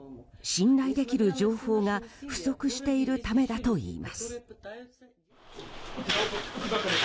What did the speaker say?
信頼できる情報が不足しているためだといいます。